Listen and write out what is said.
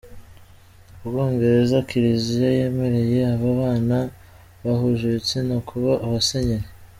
U Bwongereza Kiliziya yemereye ababana bahuje ibitsina kuba Abasenyeri